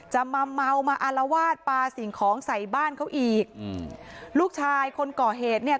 จะมาเมามาอารวาสปลาสิ่งของใส่บ้านเขาอีกอืมลูกชายคนก่อเหตุเนี่ย